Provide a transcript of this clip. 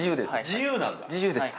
自由です。